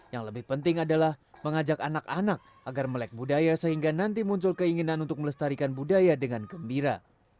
yang lebih penting adalah mengajak anak anak agar melek budaya sehingga nanti muncul keinginan untuk melestarikan budaya dengan gembira